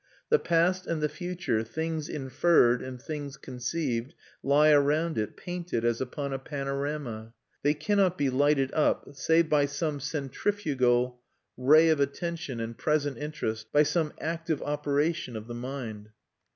The past and the future, things inferred and things conceived, lie around it, painted as upon a panorama. They cannot be lighted up save by some centrifugal ray of attention and present interest, by some active operation of the mind.